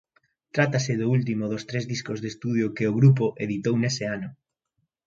Trátase do último dos tres discos de estudio que o grupo editou nese ano.